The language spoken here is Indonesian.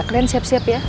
kalian siap siap ya